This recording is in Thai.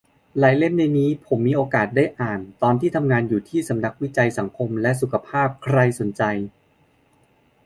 หลายเล่มในนี้ผมมีโอกาสได้อ่านตอนทำงานอยู่ที่สำนักวิจัยสังคมและสุขภาพ ใครสนใจ